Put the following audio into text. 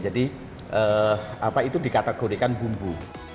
jadi itu dikategorikan bumbu